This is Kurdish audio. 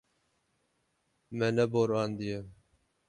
Me neborandiye.